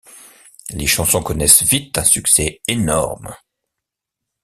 Les chansons connaissent vite un succès énorme.